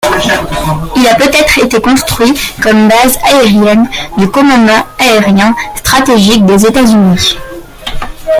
Il a peut-être été construit comme base aérienne du Commandement aérien stratégique des États-Unis.